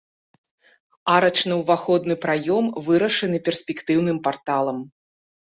Арачны ўваходны праём вырашаны перспектыўным парталам.